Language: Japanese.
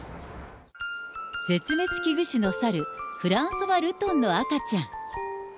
絶滅危惧種のサル、フランソワルトンの赤ちゃん。